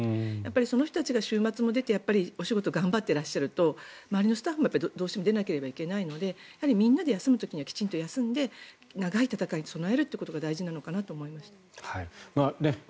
その人たちも週末も出てお仕事頑張っていらっしゃると周りのスタッフもどうしても出なきゃいけないのでみんなで休む時にはきちんと休んで長い闘いに備えることが大事だと思いました。